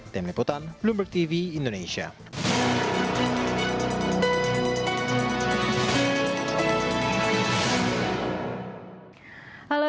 tim liputan bloomber tv indonesia